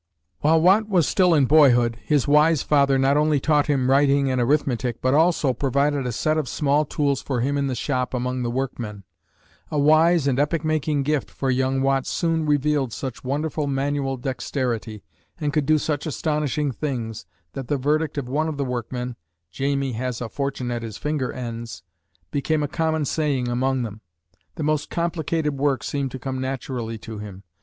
While Watt was still in boyhood, his wise father not only taught him writing and arithmetic, but also provided a set of small tools for him in the shop among the workmen a wise and epoch making gift, for young Watt soon revealed such wonderful manual dexterity, and could do such astonishing things, that the verdict of one of the workmen, "Jamie has a fortune at his finger ends," became a common saying among them. The most complicated work seemed to come naturally to him.